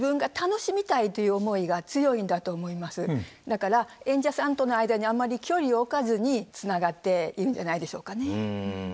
だから演者さんとの間にあんまり距離を置かずにつながっているんじゃないでしょうかね。